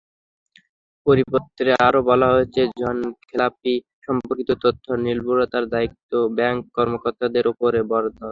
পরিপত্রে আরও বলা হয়েছে, ঋণখেলাপি-সম্পর্কিত তথ্যের নির্ভুলতার দায়দায়িত্ব ব্যাংক কর্মকর্তাদের ওপর বর্তাবে।